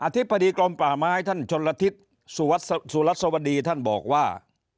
ธิบดีกรมป่าไม้ท่านชนละทิศสุรัสวดีท่านบอกว่า